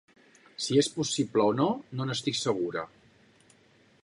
Si és possible o no, no n’estic segura.